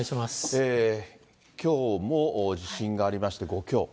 きょうも地震がありまして、５強。